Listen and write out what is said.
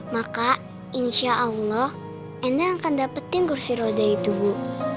maka insya allah enak akan dapetin kursi roda itu bu